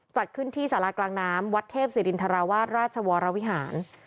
จัดขึ้นที่สารากลางน้ำวัดเทพศิรินทราวาสราชวรวิหาร